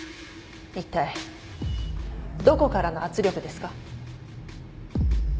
いったいどこからの圧力ですか？